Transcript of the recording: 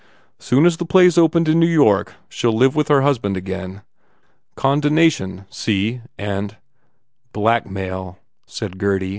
Soon as the play s opened in New York she ll live with her husban again. Condonation, see? And "Blackmail," said Gurdy.